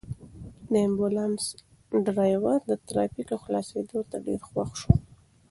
د امبولانس ډرېور د ترافیکو خلاصېدو ته ډېر خوښ شو.